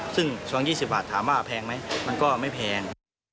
ซึ่งซอง๒๐บาทถามว่าแพงไหมมันก็ไม่แพง